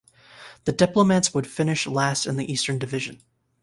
The Diplomats would finish last in the Eastern Division.